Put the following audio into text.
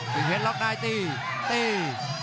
กิ้งเพชรล็อคนายตีตี